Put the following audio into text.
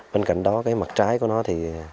bên cạnh đó cái mặt trái của nó thì